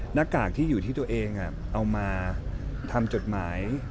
หน้ากากที่อยู่ที่ตัวเองเอามาทำจดหมาย